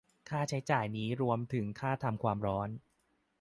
ค่าใช้จ่ายนี้รวมถึงค่าทำความร้อน